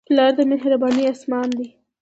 پلار د مهربانۍ اسمان دی.